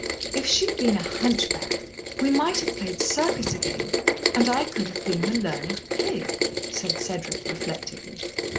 "If she'd been a hunchback, we might have played circus again, and I could have been the learned pig," said Cedric reflectively.